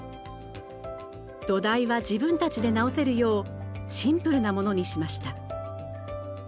土台は自分たちで直せるようシンプルなものにしました。